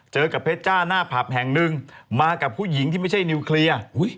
เจอกับเพชรจ้าหน้าผับแห่งหนึ่งมากับผู้หญิงที่ไม่ใช่นิวเคลียร์